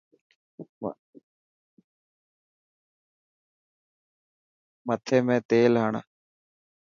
مٿي ۾ تيل هڻ.